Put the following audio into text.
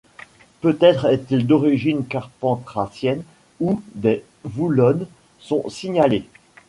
Peut-être est-il d'origine carpentrassienne, où des Voulonne sont signalés.